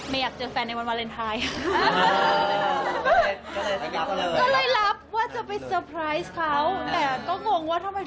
ไม่อยากเจอแฟนในวันวาเรนไทน์